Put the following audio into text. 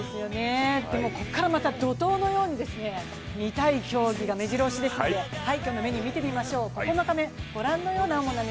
でもここからまた怒とうのように見たい競技がめじろ押しですので今日のメニュー見てみましょう。